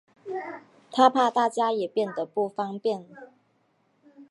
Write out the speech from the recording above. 她怕大家也变得不方便